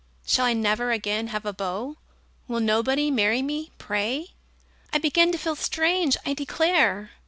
Shall I never again have a beau? Will nobody marry me, pray! I begin to feel strange, I declare!